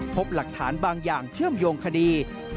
พบหลักฐานบางอย่างเชื่อมโยงคดี